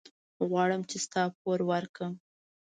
غواړم چې ستا پور ورکړم.